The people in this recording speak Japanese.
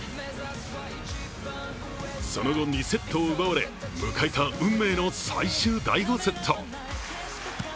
その後、２セットを奪われ迎えた運命の最終第５セット。